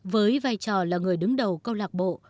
với vai trò là người đứng đầu câu lạc bộ